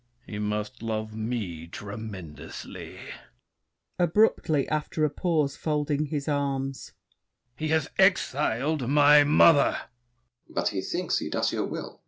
He must love me tremendously! [Abruptly, after a pause, folding his arms. He has exiled my mother! DUKE DE BELLEGARDE. But he thinks He does your will.